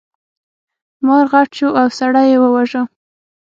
مار غټ شو او سړی یې وواژه.